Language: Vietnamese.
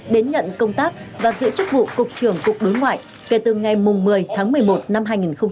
đến nhận công tác và giữ chức vụ cục trưởng cục đối ngoại kể từ ngày một mươi tháng một mươi một năm hai nghìn một mươi chín